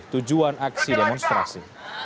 tujuan aksi demonstrasi